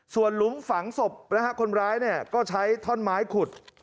ส่วนหลุมฝังศพนะฮะคนร้ายก็ใช้ท่อนไม้ขุด